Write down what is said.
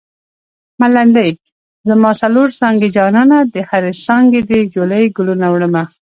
ملنډۍ: زما څلور څانګې جانانه د هرې څانګې دې جولۍ ګلونه وړمه